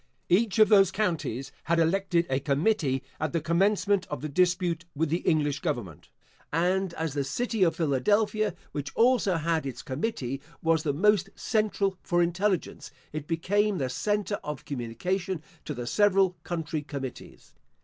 Each of those counties had elected a committee at the commencement of the dispute with the English government; and as the city of Philadelphia, which also had its committee, was the most central for intelligence, it became the center of communication to the several country committees.